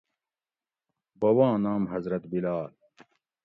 بوباں نام حضرت بلال